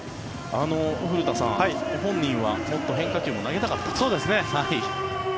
古田さん、本人はもっと変化球を投げたかったと。